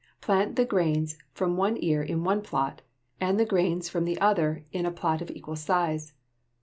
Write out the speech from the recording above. Plant the grains from one ear in one plat, and the grains from the other in a plat of equal size.